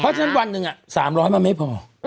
เพราะฉะนั้นวันหนึ่ง๓๐๐มันไม่พอ